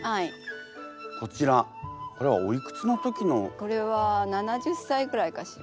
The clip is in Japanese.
これは７０さいぐらいかしら。